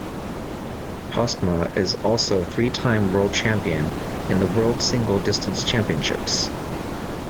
Postma is also a three-time World Champion in the World Single Distance Championships.